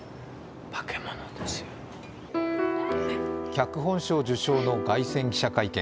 脚本賞受賞の凱旋記者会見。